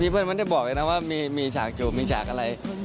มีเพื่อนเผ่นจะบอกแล้วนะว่ามีฉากโจ๊กมีฉากอะไร